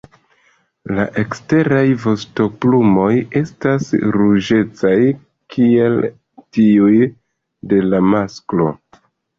La eksteraj vostoplumoj estas ruĝecaj kiel tiuj de la masklo.